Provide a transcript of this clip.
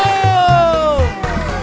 ledang ledang ledang ledang